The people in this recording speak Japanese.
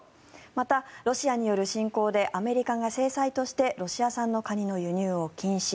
また、ロシアによる侵攻でアメリカが制裁としてロシア産のカニの輸入を禁止。